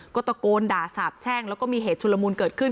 ก็ตะโกนด่าสาบแช่งแล้วก็มีเหตุชุลมูลเกิดขึ้น